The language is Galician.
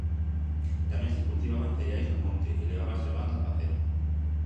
Tamén se cultivaban cereais no monte, e levábase o gando a pacer.